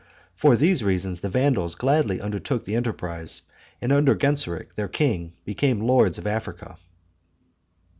For these reasons the Vandals gladly undertook the enterprise, and under Genseric, their king, became lords of Africa.